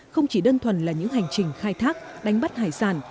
không chỉ đơn thuần là những hành trình khai thác đánh bắt hải sản